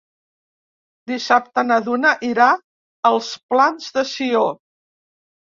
Dissabte na Duna irà als Plans de Sió.